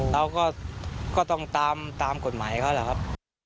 แล้วก็ต้องตามกฎหมายเขานะครับ